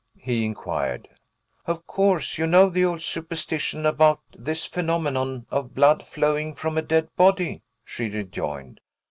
he inquired. "Of course, you know the old superstition about this phenomenon of blood flowing from a dead body," she rejoined.